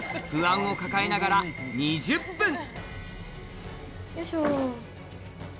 不安を抱えながら、２０分。